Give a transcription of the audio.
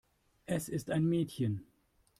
Es ist ein Mädchen.